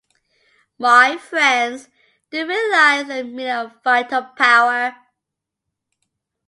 My friends, do you realize the meaning of vital power?